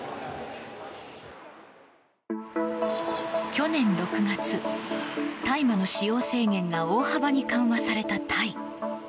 去年６月、大麻の使用制限が大幅に緩和されたタイ。